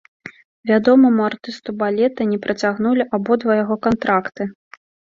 Вядомаму артысту балета не працягнулі абодва яго кантракты.